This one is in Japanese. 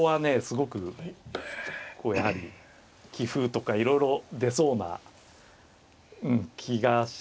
すごくこうやはり棋風とかいろいろ出そうな気がしますね。